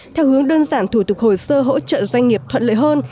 theo hướng đơn giản thủ tục hồ sơ hỗ trợ doanh nghiệp thuận lợi hơn